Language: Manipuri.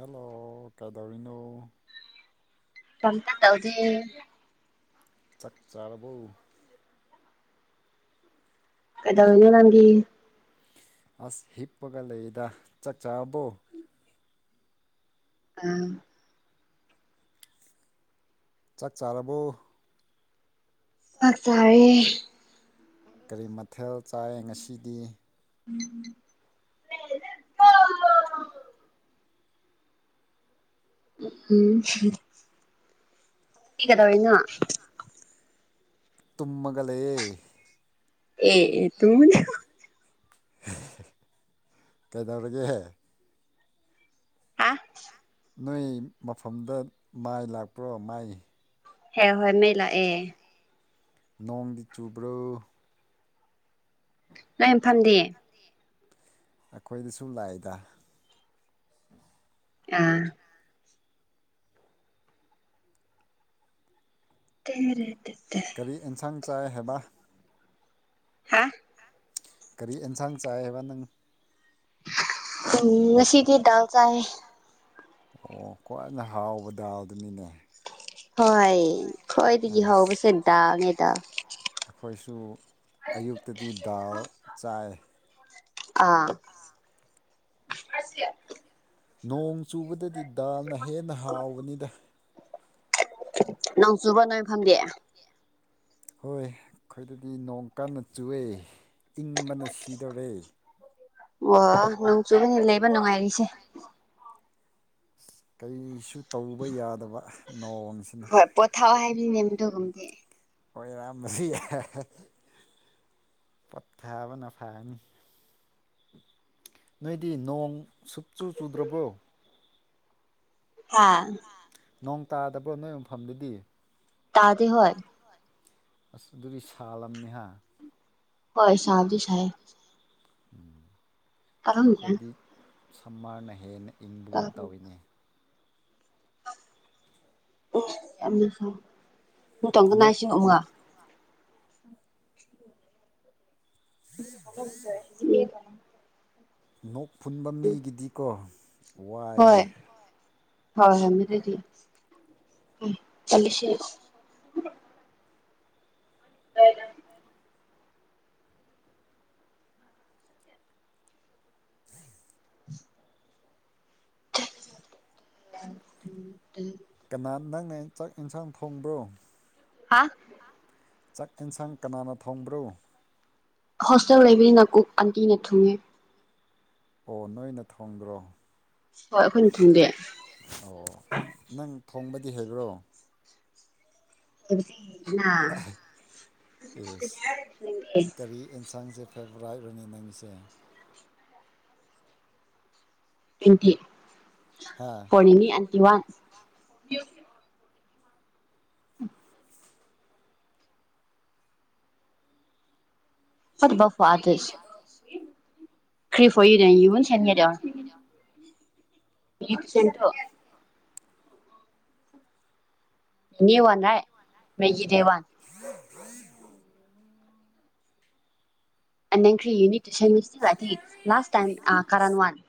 ꯍꯦꯜꯂꯣ ꯀꯩꯗꯧꯔꯤꯅꯣ ꯀꯝꯇ ꯇꯧꯗꯦ ꯆꯥꯛ ꯆꯥꯔꯕꯣ ꯀꯩꯗꯧꯔꯤꯅꯣ ꯅꯪ ꯑꯁ ꯍꯤꯞꯄꯒ ꯂꯩꯗ ꯆꯥꯛꯆꯥꯥꯔꯕꯣ ꯑꯥ ꯆꯥꯛ ꯆꯥꯔꯕꯣ ꯆꯥꯛ ꯆꯥꯔꯦ ꯀꯔꯤ ꯃꯊꯦꯜ ꯆꯥꯏ ꯉꯁꯤꯗꯤ [unintelligible] ꯎꯝ ꯎꯝ ꯗꯤ ꯀꯨꯗꯧꯔꯤꯅꯣ ꯇꯨꯝꯃꯒ ꯂꯩꯌꯦ ꯑꯦ ꯑꯦ ꯇꯨꯝꯃꯅꯤ [inaudible] [inaudible] ꯀꯩꯗꯧꯔꯒꯦꯍꯦ ꯍꯥ ꯅꯣꯏ ꯃꯐꯝꯗ ꯃꯥꯏ ꯂꯥꯛꯄ꯭ꯔꯣ ꯃꯥꯏ ꯍꯦ ꯍꯣꯏ ꯃꯩ ꯂꯥꯛ ꯑꯦ ꯅꯣꯡꯗꯤ ꯆꯨꯕ꯭ꯔꯣ ꯅꯣꯏ ꯐꯝꯗꯤ ꯑꯩꯈꯣꯏꯗꯁꯨ ꯂꯥꯛꯑꯦꯗ ꯑꯥ ꯀꯦꯅꯔꯦ ꯀꯔꯤ ꯑꯦꯟꯁꯥꯡ ꯆꯥꯏ ꯍꯥꯏꯕ ꯍꯥ ꯀꯔꯤ ꯑꯦꯟꯁꯥꯡ ꯆꯥꯏ ꯍꯥꯏꯕ ꯅꯪ ꯎꯝ ꯉꯁꯤꯗꯤ ꯗꯥꯜ ꯆꯥꯏꯌꯦ ꯑꯣ ꯈ꯭ꯋꯥꯏꯅ ꯍꯥꯎꯕ ꯗꯥꯜ ꯗꯨꯅꯤꯅꯦ ꯍꯣꯏ ꯈ꯭ꯋꯥꯏꯗꯒꯤ ꯍꯧꯕꯁꯦ ꯗꯥꯥꯜꯅꯦꯗ ꯑꯩꯈꯣꯏꯁꯨ ꯑꯌꯨꯛꯇꯗꯤ ꯗꯥꯜ ꯆꯥꯏ ꯑꯥ ꯑꯆꯦ [inaudible] ꯅꯣꯡ ꯆꯨꯕꯗꯗꯤ ꯗꯥꯜꯅ ꯍꯦꯟꯅ ꯍꯥꯎꯕꯅꯤꯗ ꯅꯣꯡ ꯆꯨꯕ ꯅꯣꯏ ꯐꯝꯗꯤ ꯍꯣꯏ ꯑꯩꯈꯣꯏꯗꯗꯤ ꯅꯣꯡ ꯀꯟꯅ ꯆꯨꯑꯦ ꯏꯪꯕꯅ ꯁꯤꯗꯣꯔꯦ ꯑꯣ ꯅꯣꯡ ꯆꯨꯕꯅꯤ ꯂꯩꯕ ꯅꯨꯡꯉꯥꯏꯔꯤꯁꯦ ꯀꯩꯁꯨ ꯇꯧꯕ ꯌꯥꯗꯕ ꯅꯣꯡꯁꯤꯅ ꯍꯣꯏ [unintelligible] ꯑꯣꯏꯔꯝꯃꯗꯤ [inaudible] ꯌꯥꯏ [inaudible] ꯄꯣꯠꯊꯕꯅ ꯐꯔꯅꯤ ꯅꯣꯏꯗꯤ ꯅꯣꯡ ꯁꯨꯞ ꯆꯨ ꯆꯨꯗ꯭ꯔꯕꯣ ꯍꯥꯥ ꯅꯣꯡ ꯇꯥꯗꯕ꯭ꯔꯣ ꯅꯣꯏ ꯃꯐꯝꯗꯗꯤ ꯇꯥꯗꯤ ꯍꯣꯏ ꯑꯁ ꯑꯗꯨꯗꯤ ꯁꯥꯜꯂꯝꯅꯤꯍꯥ ꯍꯣꯏ ꯁꯥꯕꯗꯤ ꯁꯥꯏꯌꯦ ꯑꯗꯨꯝ ꯌꯥꯅꯤ ꯑꯩꯈꯣꯏꯗꯤ ꯁꯝꯃꯔꯅ ꯍꯦꯟꯅ ꯏꯪꯕꯒꯨꯝ ꯇꯧꯏꯅꯦ ꯅꯣꯛ [unintelligible] [inaudible] [unintelligible] ꯅꯣꯛ ꯐꯨꯟꯕ ꯃꯤꯒꯤꯗꯤꯀꯣ ꯍꯣꯏ ꯋꯥꯏꯅꯦ ꯎꯝ ꯆꯜꯂꯥꯁꯦ [unintelligible] [inaudible] [inaudible] ꯀꯅꯥ ꯅꯪꯅ ꯆꯥꯛ ꯌꯦꯟꯁꯥꯡ ꯊꯣꯡꯕ꯭ꯔꯣ ꯍꯥ ꯆꯥꯛ ꯌꯦꯟꯁꯥꯡ ꯀꯅꯥꯅ ꯊꯣꯡꯕ꯭ꯔꯣ ꯍꯣꯁꯇꯦꯜ ꯂꯩꯢꯕꯩꯅ ꯀꯨꯛ ꯑꯟꯇꯤꯅ ꯊꯨꯡꯉꯦ ꯑꯣ ꯅꯣꯏꯅ ꯊꯣꯡꯗ꯭ꯔꯣ ꯍꯣꯏ ꯑꯩꯈꯣꯏꯅ ꯊꯣꯡꯗꯦ ꯑꯣ ꯅꯪ ꯊꯣꯡꯕꯗꯤ ꯍꯩꯕ꯭ꯔꯣ ꯑꯦꯁ ꯀꯔꯤ [unintelligible] [unintelligible] ꯅꯪꯒꯤꯁꯦ ꯍꯥ [unintelligible] ꯎꯝ [unintelligible] ꯁꯦꯟꯇꯣ [unintelligible] [inaudible] [unintelligible]